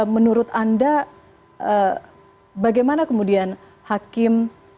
menurut anda bagaimana kemudian hakim